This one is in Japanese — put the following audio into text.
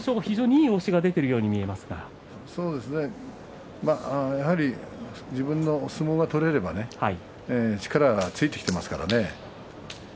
いい押しが出ているようにやはり自分の相撲が取れれば力はついてきていますからね。